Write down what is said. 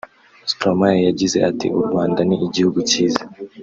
Stromae yagize ati “U Rwanda ni igihugu cyiza